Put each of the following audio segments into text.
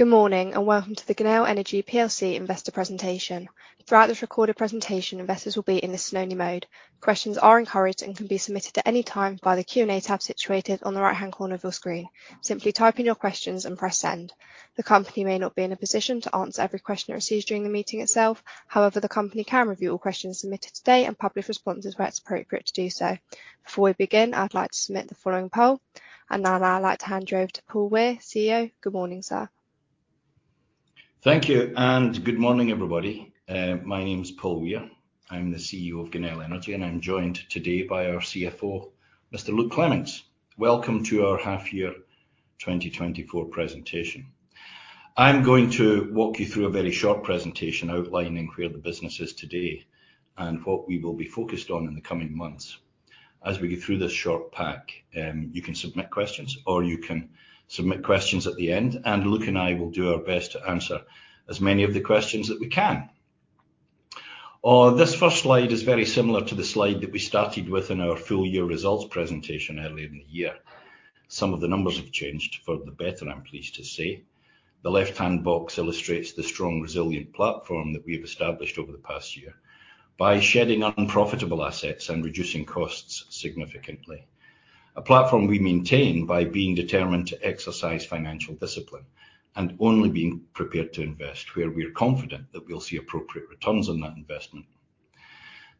Good morning and welcome to the Genel Energy PLC investor presentation. Throughout this recorded presentation, investors will be in the listen-only mode. Questions are encouraged and can be submitted at any time via the Q&A tab situated on the right-hand corner of your screen. Simply type in your questions and press send. The company may not be in a position to answer every question it receives during the meeting itself; however, the company can review all questions submitted today and publish responses where it's appropriate to do so. Before we begin, I'd like to submit the following poll, and then I'd like to hand you over to Paul Weir, CEO. Good morning, sir. Thank you and good morning, everybody. My name is Paul Weir. I'm the CEO of Genel Energy, and I'm joined today by our CFO, Mr. Luke Clements. Welcome to our half-year 2024 presentation. I'm going to walk you through a very short presentation outlining where the business is today and what we will be focused on in the coming months. As we go through this short pack, you can submit questions, or you can submit questions at the end, and Luke and I will do our best to answer as many of the questions that we can. This first slide is very similar to the slide that we started with in our full-year results presentation earlier in the year. Some of the numbers have changed for the better, I'm pleased to say. The left-hand box illustrates the strong, resilient platform that we have established over the past year by shedding unprofitable assets and reducing costs significantly. A platform we maintain by being determined to exercise financial discipline and only being prepared to invest where we are confident that we'll see appropriate returns on that investment.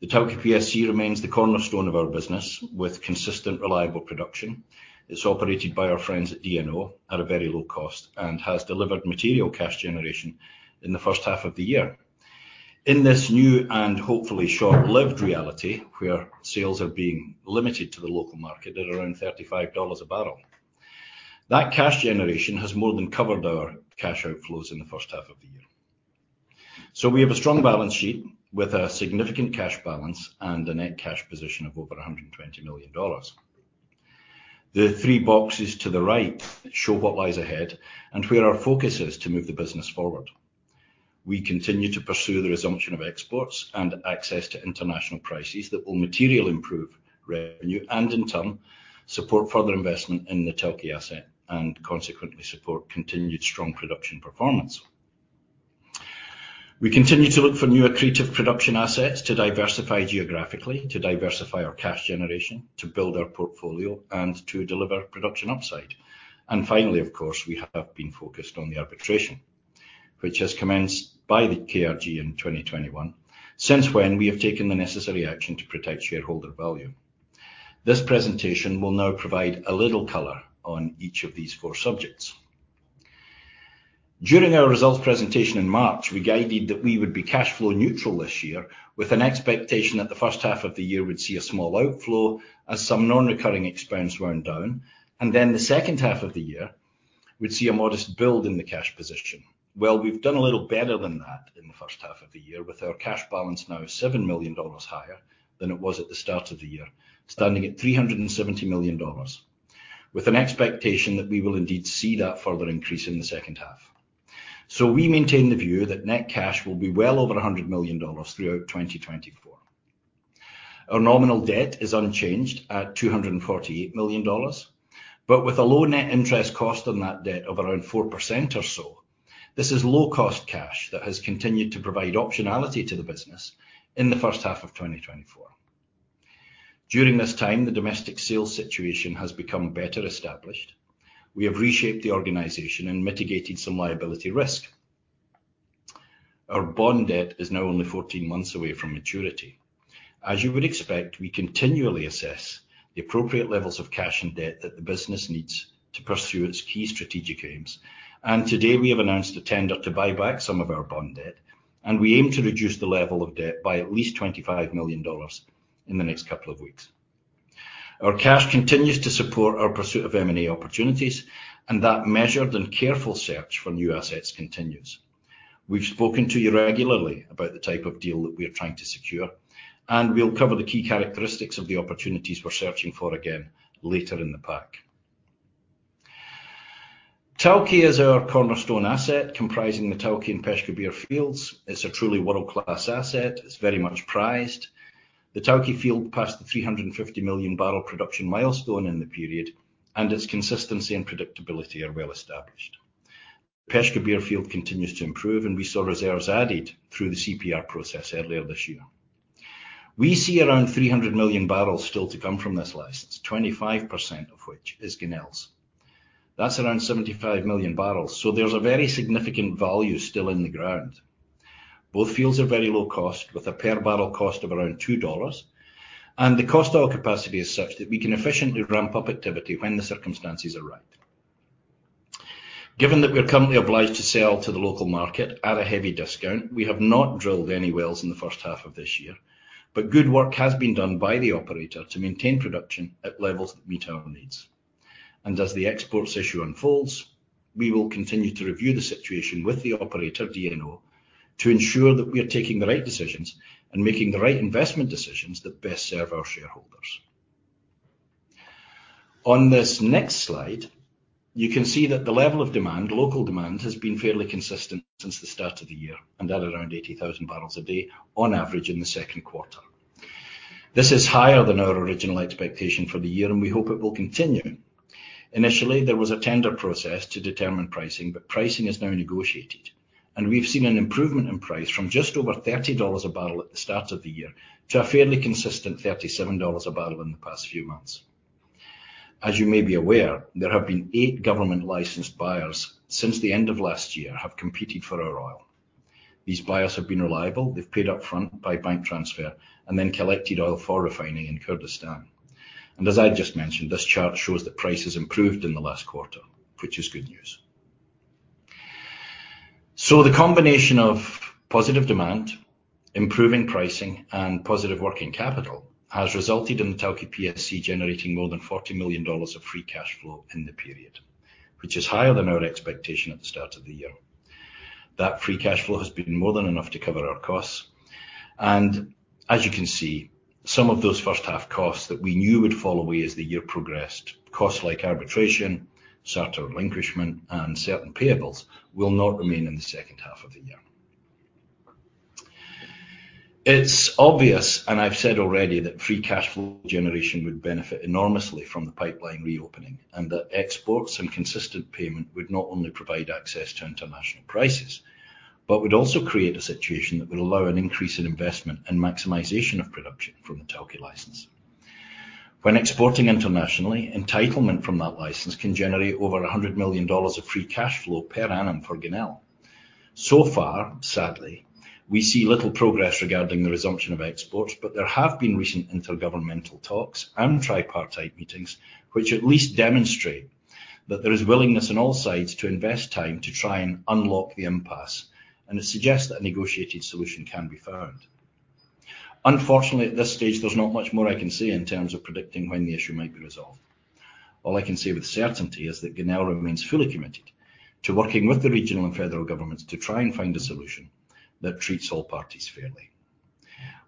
The Tawke PSC remains the cornerstone of our business with consistent, reliable production. It's operated by our friends at DNO at a very low cost and has delivered material cash generation in the first half of the year. In this new and hopefully short-lived reality, where sales are being limited to the local market at around $35 a barrel, that cash generation has more than covered our cash outflows in the first half of the year. We have a strong balance sheet with a significant cash balance and a net cash position of over $120 million. The three boxes to the right show what lies ahead and where our focus is to move the business forward. We continue to pursue the resumption of exports and access to international prices that will materially improve revenue and, in turn, support further investment in the Tawke asset and consequently support continued strong production performance. We continue to look for new accretive production assets to diversify geographically, to diversify our cash generation, to build our portfolio, and to deliver production upside. Finally, of course, we have been focused on the arbitration, which has commenced by the KRG in 2021, since when we have taken the necessary action to protect shareholder value. This presentation will now provide a little color on each of these four subjects. During our results presentation in March, we guided that we would be cash flow neutral this year, with an expectation that the first half of the year would see a small outflow as some non-recurring expense went down, and then the second half of the year would see a modest build in the cash position. Well, we've done a little better than that in the first half of the year, with our cash balance now $7 million higher than it was at the start of the year, standing at $370 million, with an expectation that we will indeed see that further increase in the second half. So we maintain the view that net cash will be well over $100 million throughout 2024. Our nominal debt is unchanged at $248 million, but with a low net interest cost on that debt of around 4% or so, this is low-cost cash that has continued to provide optionality to the business in the first half of 2024. During this time, the domestic sales situation has become better established. We have reshaped the organization and mitigated some liability risk. Our bond debt is now only 14 months away from maturity. As you would expect, we continually assess the appropriate levels of cash and debt that the business needs to pursue its key strategic aims. Today, we have announced a tender to buy back some of our bond debt, and we aim to reduce the level of debt by at least $25 million in the next couple of weeks. Our cash continues to support our pursuit of M&A opportunities, and that measured and careful search for new assets continues. We've spoken to you regularly about the type of deal that we are trying to secure, and we'll cover the key characteristics of the opportunities we're searching for again later in the pack. Tawke is our cornerstone asset, comprising the Tawke and Peshkabir fields. It's a truly world-class asset. It's very much prized. The Tawke field passed the 350 million barrel production milestone in the period, and its consistency and predictability are well established. The Peshkabir field continues to improve, and we saw reserves added through the CPR process earlier this year. We see around 300 million barrels still to come from this license, 25% of which is Genel's. That's around 75 million barrels, so there's a very significant value still in the ground. Both fields are very low cost, with a per barrel cost of around $2, and the cost of our capacity is such that we can efficiently ramp up activity when the circumstances are right. Given that we're currently obliged to sell to the local market at a heavy discount, we have not drilled any wells in the first half of this year, but good work has been done by the operator to maintain production at levels that meet our needs. As the exports issue unfolds, we will continue to review the situation with the operator, DNO, to ensure that we are taking the right decisions and making the right investment decisions that best serve our shareholders. On this next slide, you can see that the level of demand, local demand, has been fairly consistent since the start of the year and at around 80,000 barrels a day on average in the second quarter. This is higher than our original expectation for the year, and we hope it will continue. Initially, there was a tender process to determine pricing, but pricing is now negotiated, and we've seen an improvement in price from just over $30 a barrel at the start of the year to a fairly consistent $37 a barrel in the past few months. As you may be aware, there have been eight government-licensed buyers since the end of last year who have competed for our oil. These buyers have been reliable. They've paid upfront by bank transfer and then collected oil for refining in Kurdistan. As I just mentioned, this chart shows that prices improved in the last quarter, which is good news. So the combination of positive demand, improving pricing, and positive working capital has resulted in the Tawke PSC generating more than $40 million of free cash flow in the period, which is higher than our expectation at the start of the year. That free cash flow has been more than enough to cover our costs. And as you can see, some of those first-half costs that we knew would fall away as the year progressed, costs like arbitration, Sarta relinquishment, and certain payables will not remain in the second half of the year. It's obvious, and I've said already, that free cash flow generation would benefit enormously from the pipeline reopening and that exports and consistent payment would not only provide access to international prices, but would also create a situation that would allow an increase in investment and maximization of production from the Tawke license. When exporting internationally, entitlement from that license can generate over $100 million of free cash flow per annum for Genel. So far, sadly, we see little progress regarding the resumption of exports, but there have been recent intergovernmental talks and tripartite meetings, which at least demonstrate that there is willingness on all sides to invest time to try and unlock the impasse, and it suggests that a negotiated solution can be found. Unfortunately, at this stage, there's not much more I can say in terms of predicting when the issue might be resolved. All I can say with certainty is that Genel remains fully committed to working with the regional and federal governments to try and find a solution that treats all parties fairly.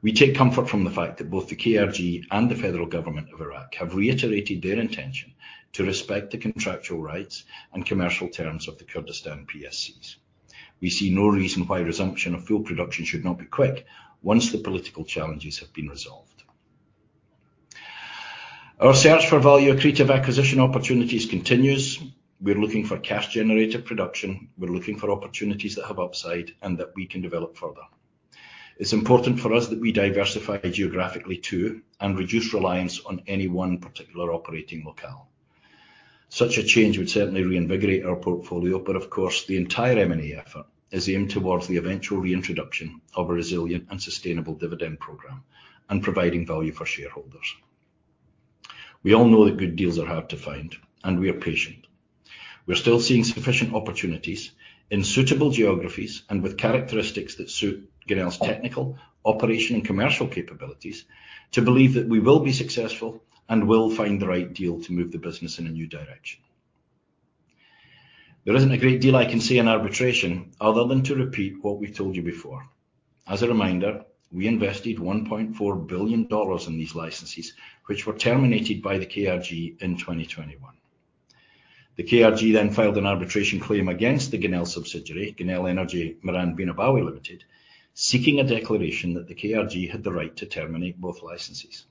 We take comfort from the fact that both the KRG and the federal government of Iraq have reiterated their intention to respect the contractual rights and commercial terms of the Kurdistan PSCs. We see no reason why resumption of full production should not be quick once the political challenges have been resolved. Our search for value-accretive acquisition opportunities continues. We're looking for cash-generative production. We're looking for opportunities that have upside and that we can develop further. It's important for us that we diversify geographically too and reduce reliance on any one particular operating locale. Such a change would certainly reinvigorate our portfolio, but of course, the entire M&A effort is aimed towards the eventual reintroduction of a resilient and sustainable dividend program and providing value for shareholders. We all know that good deals are hard to find, and we are patient. We're still seeing sufficient opportunities in suitable geographies and with characteristics that suit Genel's technical, operational, and commercial capabilities to believe that we will be successful and will find the right deal to move the business in a new direction. There isn't a great deal I can say in arbitration other than to repeat what we've told you before. As a reminder, we invested $1.4 billion in these licenses, which were terminated by the KRG in 2021. The KRG then filed an arbitration claim against the Genel subsidiary, Genel Energy Miran and Bina Bawi Limited, seeking a declaration that the KRG had the right to terminate both licenses.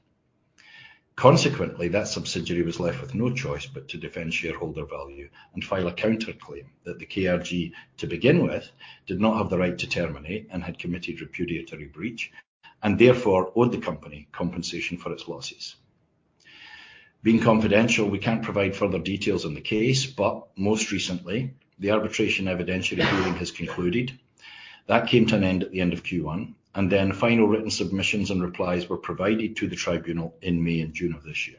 Consequently, that subsidiary was left with no choice but to defend shareholder value and file a counterclaim that the KRG, to begin with, did not have the right to terminate and had committed repudiatory breach and therefore owed the company compensation for its losses. Being confidential, we can't provide further details on the case, but most recently, the arbitration evidentiary hearing has concluded. That came to an end at the end of Q1, and then final written submissions and replies were provided to the tribunal in May and June of this year.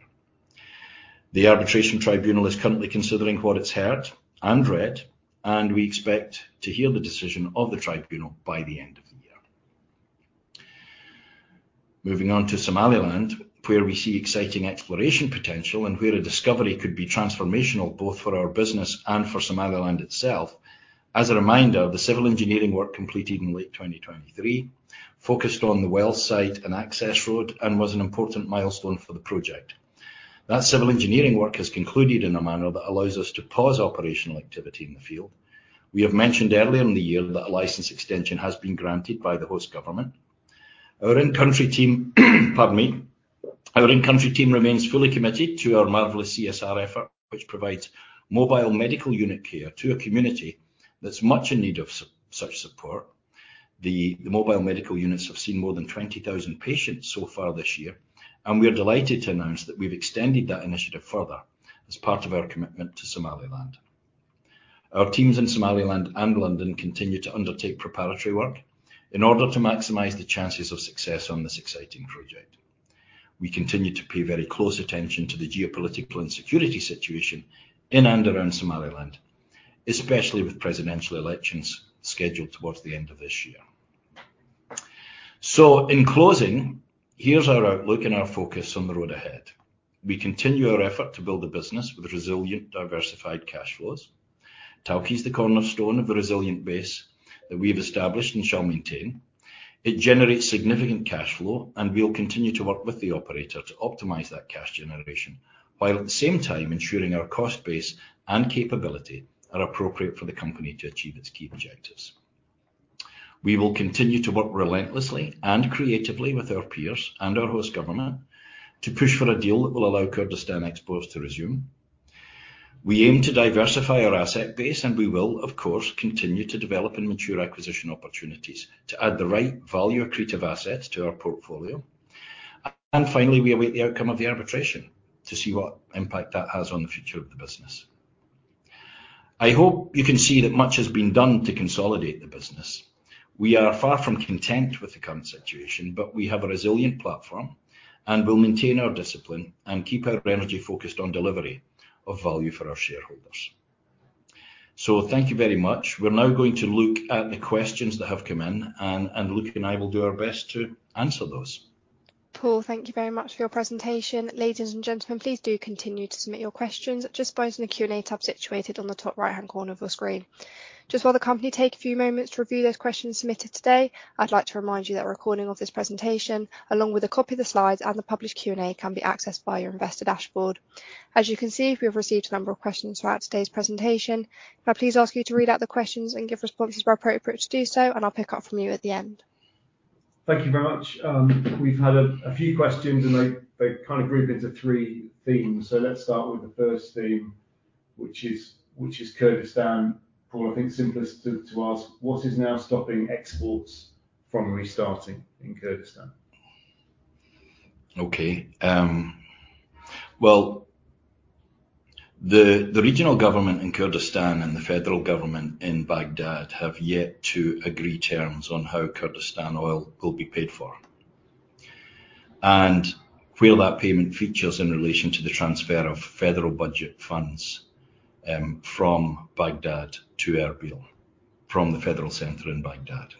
The arbitration tribunal is currently considering what it's heard and read, and we expect to hear the decision of the tribunal by the end of the year. Moving on to Somaliland, where we see exciting exploration potential and where a discovery could be transformational both for our business and for Somaliland itself. As a reminder, the civil engineering work completed in late 2023 focused on the well site and access road and was an important milestone for the project. That civil engineering work has concluded in a manner that allows us to pause operational activity in the field. We have mentioned earlier in the year that a license extension has been granted by the host government. Our in-country team remains fully committed to our marvelous CSR effort, which provides mobile medical unit care to a community that's much in need of such support. The mobile medical units have seen more than 20,000 patients so far this year, and we are delighted to announce that we've extended that initiative further as part of our commitment to Somaliland. Our teams in Somaliland and London continue to undertake preparatory work in order to maximize the chances of success on this exciting project. We continue to pay very close attention to the geopolitical and security situation in and around Somaliland, especially with presidential elections scheduled towards the end of this year. So in closing, here's our outlook and our focus on the road ahead. We continue our effort to build a business with resilient, diversified cash flows. Tawke is the cornerstone of the resilient base that we have established and shall maintain. It generates significant cash flow, and we'll continue to work with the operator to optimize that cash generation while at the same time ensuring our cost base and capability are appropriate for the company to achieve its key objectives. We will continue to work relentlessly and creatively with our peers and our host government to push for a deal that will allow Kurdistan exports to resume. We aim to diversify our asset base, and we will, of course, continue to develop and mature acquisition opportunities to add the right value-accretive assets to our portfolio. Finally, we await the outcome of the arbitration to see what impact that has on the future of the business. I hope you can see that much has been done to consolidate the business. We are far from content with the current situation, but we have a resilient platform and will maintain our discipline and keep our energy focused on delivery of value for our shareholders. Thank you very much. We're now going to look at the questions that have come in, and Luke and I will do our best to answer those. Paul, thank you very much for your presentation. Ladies and gentlemen, please do continue to submit your questions just by using the Q&A tab situated on the top right-hand corner of your screen. Just while the company takes a few moments to review those questions submitted today, I'd like to remind you that a recording of this presentation, along with a copy of the slides and the published Q&A, can be accessed via your investor dashboard. As you can see, we have received a number of questions throughout today's presentation. I'll please ask you to read out the questions and give responses where appropriate to do so, and I'll pick up from you at the end. Thank you very much. We've had a few questions, and they kind of group into three themes. So let's start with the first theme, which is Kurdistan. Paul, I think it's simplest to ask, what is now stopping exports from restarting in Kurdistan? Okay. Well, the regional government in Kurdistan and the federal government in Baghdad have yet to agree terms on how Kurdistan oil will be paid for and where that payment features in relation to the transfer of federal budget funds from Baghdad to Erbil from the federal center in Baghdad.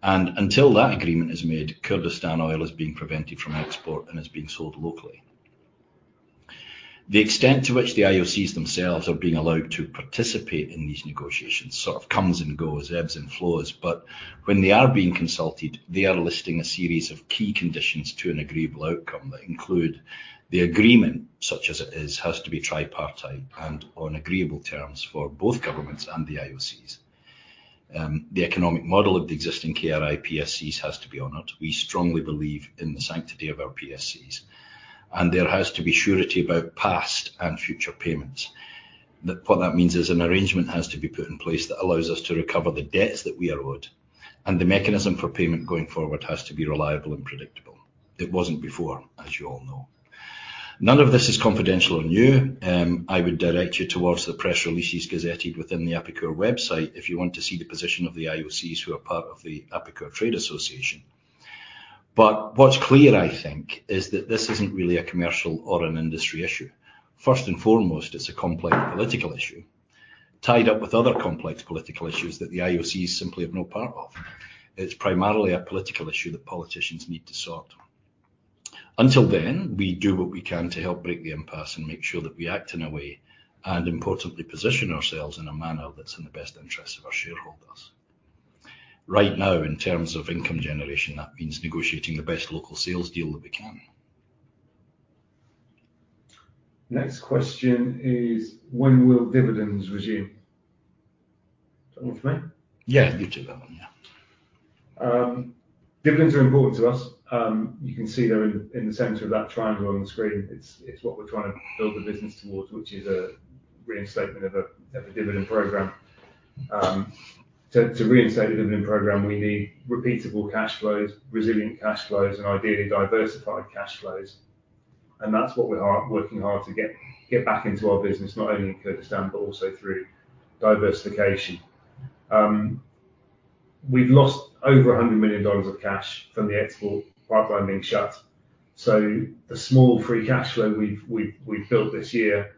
And until that agreement is made, Kurdistan oil is being prevented from export and is being sold locally. The extent to which the IOCs themselves are being allowed to participate in these negotiations sort of comes and goes, ebbs and flows, but when they are being consulted, they are listing a series of key conditions to an agreeable outcome that include the agreement, such as it is, has to be tripartite and on agreeable terms for both governments and the IOCs. The economic model of the existing KRI PSCs has to be honored. We strongly believe in the sanctity of our PSCs, and there has to be surety about past and future payments. What that means is an arrangement has to be put in place that allows us to recover the debts that we are owed, and the mechanism for payment going forward has to be reliable and predictable. It wasn't before, as you all know. None of this is confidential on you. I would direct you towards the press releases gazetted within the APIKUR website if you want to see the position of the IOCs who are part of the APIKUR Trade Association. But what's clear, I think, is that this isn't really a commercial or an industry issue. First and foremost, it's a complex political issue tied up with other complex political issues that the IOCs simply have no part of. It's primarily a political issue that politicians need to sort. Until then, we do what we can to help break the impasse and make sure that we act in a way and, importantly, position ourselves in a manner that's in the best interests of our shareholders. Right now, in terms of income generation, that means negotiating the best local sales deal that we can. Next question is, when will dividends resume? Tomas? Yeah, you too, Bjørn. Dividends are important to us. You can see they're in the center of that triangle on the screen. It's what we're trying to build the business towards, which is a reinstatement of a dividend program. To reinstate a dividend program, we need repeatable cash flows, resilient cash flows, and ideally diversified cash flows. And that's what we're working hard to get back into our business, not only in Kurdistan, but also through diversification. We've lost over $100 million of cash from the export pipeline being shut. So the small free cash flow we've built this year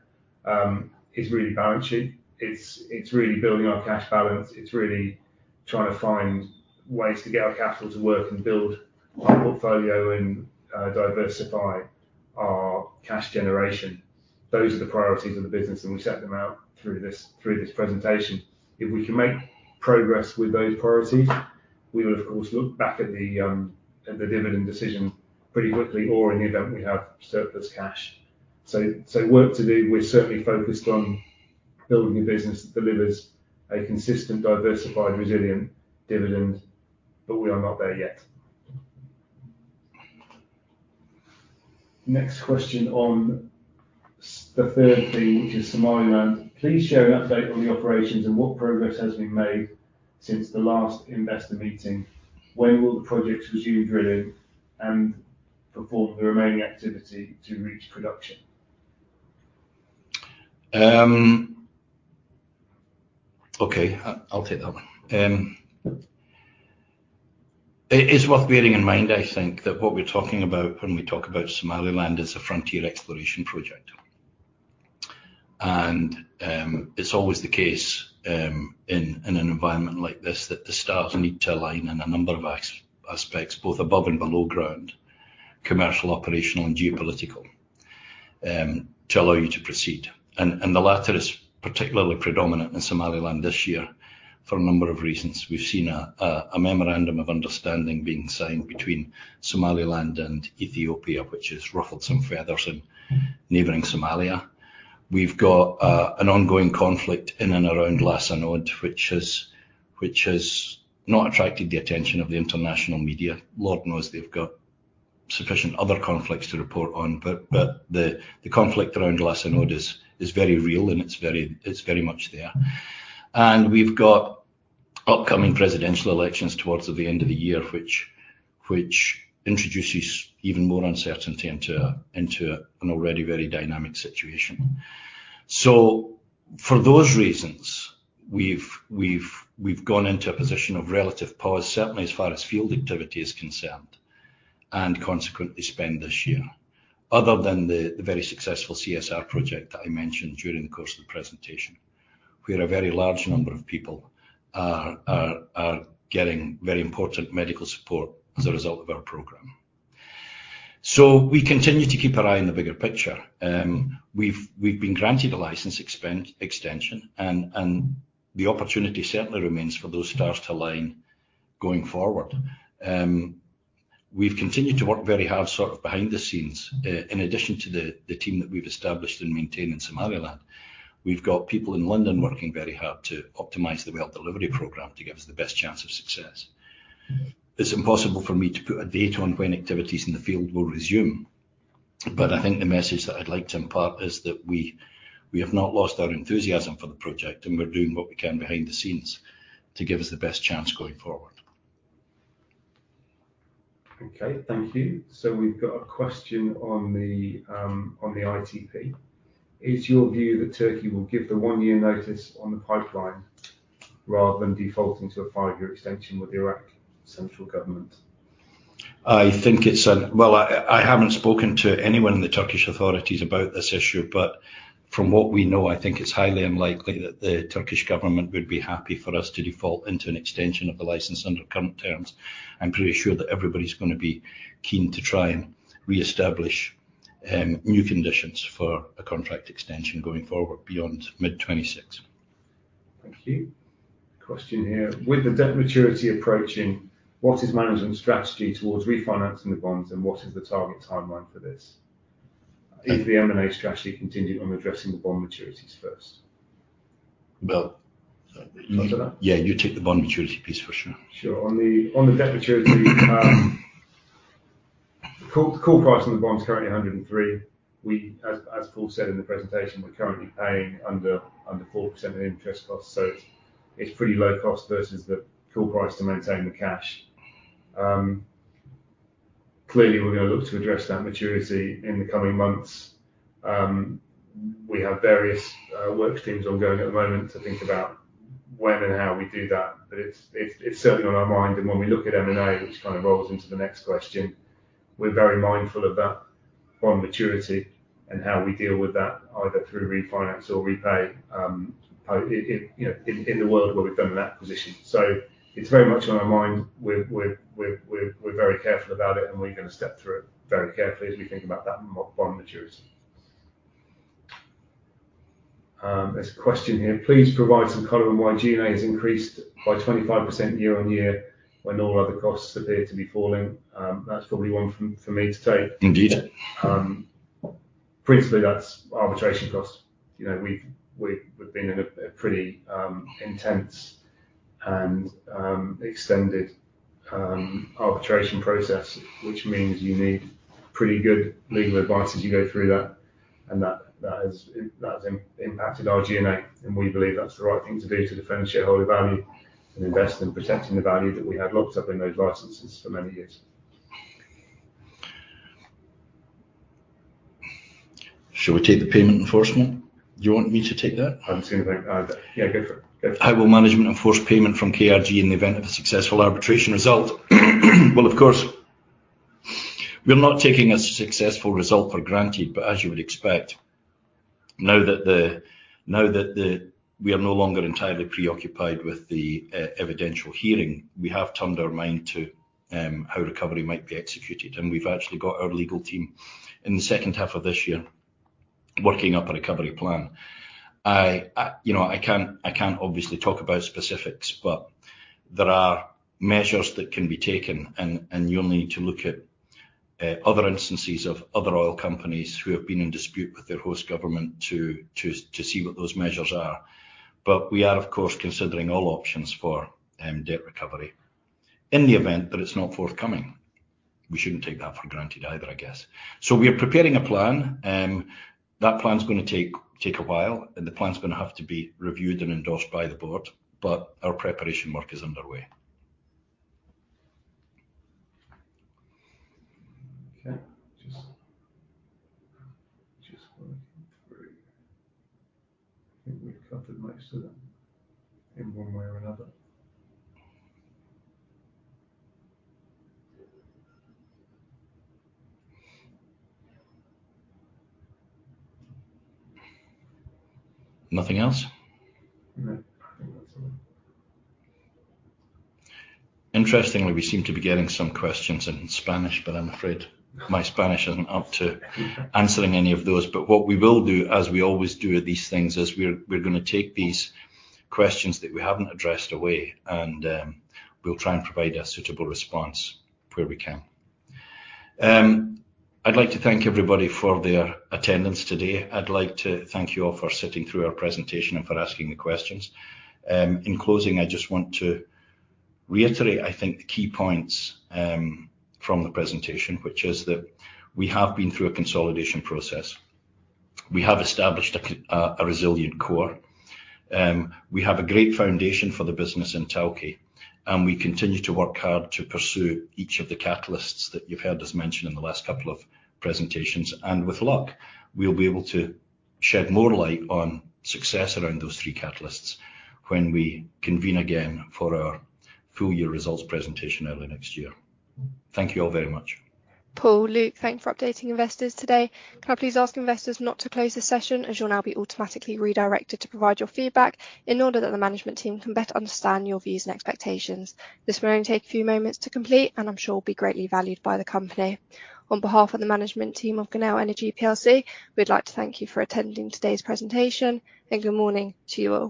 is really balance sheet. It's really building our cash balance. It's really trying to find ways to get our capital to work and build our portfolio and diversify our cash generation. Those are the priorities of the business, and we set them out through this presentation. If we can make progress with those priorities, we will, of course, look back at the dividend decision pretty quickly or in the event we have surplus cash. So work to do. We're certainly focused on building a business that delivers a consistent, diversified, resilient dividend, but we are not there yet. Next question on the third theme, which is Somaliland. Please share an update on the operations and what progress has been made since the last investor meeting. When will the project resume drilling and perform the remaining activity to reach production? Okay, I'll take that one. It's worth bearing in mind, I think, that what we're talking about when we talk about Somaliland is a frontier exploration project. And it's always the case in an environment like this that the stars need to align in a number of aspects, both above and below ground, commercial, operational, and geopolitical, to allow you to proceed. And the latter is particularly predominant in Somaliland this year for a number of reasons. We've seen a memorandum of understanding being signed between Somaliland and Ethiopia, which is ruffled some feathers and neighboring Somalia. We've got an ongoing conflict in and around Las Anod, which has not attracted the attention of the international media. Lord knows they've got sufficient other conflicts to report on, but the conflict around Las Anod is very real, and it's very much there. We've got upcoming presidential elections towards the end of the year, which introduces even more uncertainty into an already very dynamic situation. For those reasons, we've gone into a position of relative pause, certainly as far as field activity is concerned, and consequently spend this year, other than the very successful CSR project that I mentioned during the course of the presentation, where a very large number of people are getting very important medical support as a result of our program. So we continue to keep our eye on the bigger picture. We've been granted a license extension, and the opportunity certainly remains for those stars to align going forward. We've continued to work very hard sort of behind the scenes. In addition to the team that we've established and maintained in Somaliland, we've got people in London working very hard to optimize the wealth delivery program to give us the best chance of success. It's impossible for me to put a date on when activities in the field will resume, but I think the message that I'd like to impart is that we have not lost our enthusiasm for the project, and we're doing what we can behind the scenes to give us the best chance going forward. Okay, thank you. So we've got a question on the ITP. Is your view that Turkey will give the one-year notice on the pipeline rather than defaulting to a five-year extension with Iraq's central government? I think it's. Well, I haven't spoken to anyone in the Turkish authorities about this issue, but from what we know, I think it's highly unlikely that the Turkish government would be happy for us to default into an extension of the license under current terms. I'm pretty sure that everybody's going to be keen to try and reestablish new conditions for a contract extension going forward beyond mid-2026. Thank you. Question here. With the debt maturity approaching, what is management's strategy towards refinancing the bonds, and what is the target timeline for this? Is the M&A strategy continued on addressing the bond maturities first? Well, yeah, you take the bond maturity piece for sure. Sure. On the debt maturity, the current price on the bond is currently 103. As Paul said in the presentation, we're currently paying under 4% of interest costs, so it's pretty low cost versus the current price to maintain the cash. Clearly, we're going to look to address that maturity in the coming months. We have various work teams ongoing at the moment to think about when and how we do that, but it's certainly on our mind. And when we look at M&A, which kind of rolls into the next question, we're very mindful of that bond maturity and how we deal with that, either through refinance or repay in the world where we've done an acquisition. So it's very much on our mind. We're very careful about it, and we're going to step through it very carefully as we think about that bond maturity. There's a question here. Please provide some color on why G&A has increased by 25% year-over-year when all other costs appear to be falling. That's probably one for me to take. Indeed. Principally, that's arbitration costs. We've been in a pretty intense and extended arbitration process, which means you need pretty good legal advice as you go through that. And that has impacted our G&A, and we believe that's the right thing to do to defend shareholder value and invest in protecting the value that we had locked up in those licenses for many years. Shall we take the payment enforcement? Do you want me to take that? I haven't seen a thing. Yeah, go for it. I will manage to enforce payment from KRG in the event of a successful arbitration result. Well, of course, we're not taking a successful result for granted, but as you would expect, now that we are no longer entirely preoccupied with the evidential hearing, we have turned our mind to how recovery might be executed. We've actually got our legal team in the second half of this year working up a recovery plan. I can't obviously talk about specifics, but there are measures that can be taken, and you'll need to look at other instances of other oil companies who have been in dispute with their host government to see what those measures are. We are, of course, considering all options for debt recovery in the event that it's not forthcoming. We shouldn't take that for granted either, I guess. We're preparing a plan. That plan's going to take a while, and the plan's going to have to be reviewed and endorsed by the board, but our preparation work is underway. Okay. Just working through. I think we've covered most of them in one way or another. Nothing else? No. I think that's all. Interestingly, we seem to be getting some questions in Spanish, but I'm afraid my Spanish isn't up to answering any of those. But what we will do, as we always do at these things, is we're going to take these questions that we haven't addressed away, and we'll try and provide a suitable response where we can. I'd like to thank everybody for their attendance today. I'd like to thank you all for sitting through our presentation and for asking the questions. In closing, I just want to reiterate, I think, the key points from the presentation, which is that we have been through a consolidation process. We have established a resilient core. We have a great foundation for the business in Tawke, and we continue to work hard to pursue each of the catalysts that you've heard us mention in the last couple of presentations. And with luck, we'll be able to shed more light on success around those three catalysts when we convene again for our full-year results presentation early next year. Thank you all very much. Paul, Luke, thank you for updating investors today. Can I please ask investors not to close the session as you'll now be automatically redirected to provide your feedback in order that the management team can better understand your views and expectations? This may only take a few moments to complete, and I'm sure it will be greatly valued by the company. On behalf of the management team of Genel Energy PLC, we'd like to thank you for attending today's presentation. Good morning to you all.